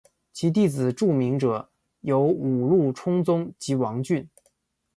其弟子著名者有五鹿充宗及王骏。